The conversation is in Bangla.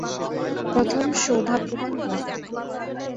প্রথম সৌভাগ্যবান গ্রাহক।